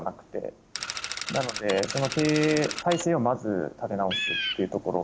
なのでその経営体制をまず立て直すっていうところ。